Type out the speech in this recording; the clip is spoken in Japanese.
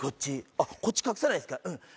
あっこっち隠さないですか？